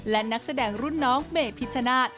และนักแสดงรุ่นน้องเมพิชชนาธิ์